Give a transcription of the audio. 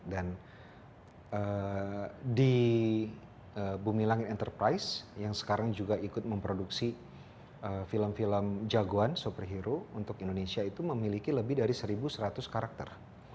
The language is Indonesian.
dan di bumi langit enterprise yang sekarang juga ikut memproduksi film film jagoan super hero untuk indonesia itu memiliki lebih dari satu seratus karakter